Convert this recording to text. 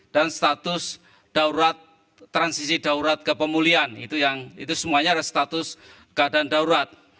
dan status transisi daurat ke pemulihan itu semuanya ada status keadaan daurat